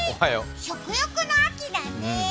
食欲の秋だね。